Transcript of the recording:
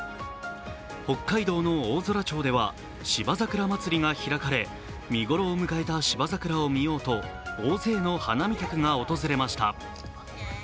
北海道の大空町では、芝桜まつりが開かれ、見頃を迎えた芝桜を見ようと大勢の花見客が訪れました。